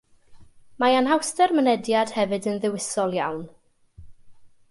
Mae anhawster mynediad hefyd yn ddewisol iawn.